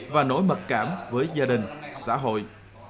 và nỗi mật cảm với gia đình xã hội